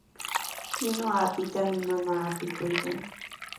Kinuwapitami mamaa apikuykan.